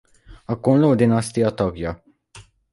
A Kunlo-dinasztia tagja.